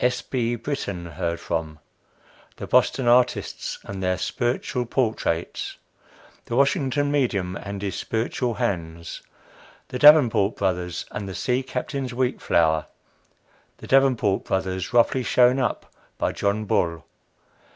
S. B. BRITTAN HEARD FROM. THE BOSTON ARTISTS AND THEIR SPIRITUAL PORTRAITS. THE WASHINGTON MEDIUM AND HIS SPIRITUAL HANDS. THE DAVENPORT BROTHERS AND THE SEA CAPTAIN'S WHEAT FLOUR. THE DAVENPORT BROTHERS ROUGHLY SHOWN UP BY JOHN BULL.